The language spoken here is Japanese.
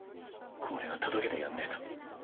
これを届けてやんねえと。